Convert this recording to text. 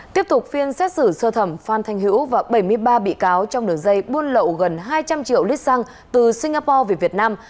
tiếp tục phiên xét xử sơ thẩm phan thanh hữu và bảy mươi ba bị cáo trong đường dây buôn lậu gần hai trăm linh triệu lít xăng từ singapore về việt nam